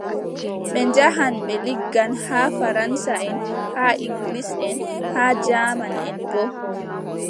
Ɓe njaahan ɓe liggan, haa faransaʼen haa iŋgilisʼen haa jaamanʼen boo .